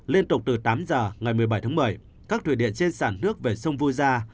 liên tục từ tám giờ ngày một mươi bảy tháng một mươi các thủy điện trên sản nước về sông vu gia